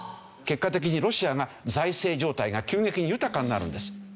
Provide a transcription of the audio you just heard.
結果的にロシアが財政状態が急激に豊かになるんです。